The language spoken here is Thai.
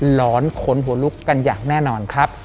หอนขนหัวลุกกันอย่างแน่นอนครับ